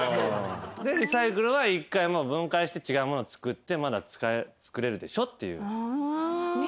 リサイクルは一回分解して違うもの作ってまだ作れるでしょ？っていう。